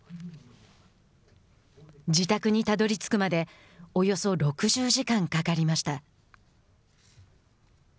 自宅にたどりつくまでおよそ６０時間かかりました。